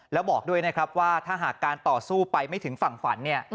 แล้วบอกด้วยนะครับว่าถ้าหากการต่อสู้ไปไม่ถึงฝั่งฝันเนี่ย